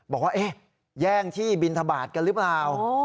บอกว่าเอ๊ะแย่งที่บินทบาทกันรึเปล่า